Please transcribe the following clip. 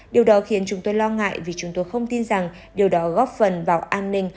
điều đó khiến chúng tôi lo ngại vì chúng tôi không tin rằng điều đó góp phần vào an ninh